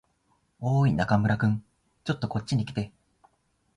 おーい、中村君。ちょっとこっちに来て。